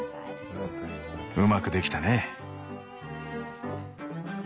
うまくできたね。